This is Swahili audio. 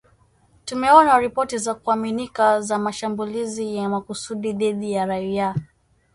Tumeona ripoti za kuaminika za mashambulizi ya makusudi dhidi ya raia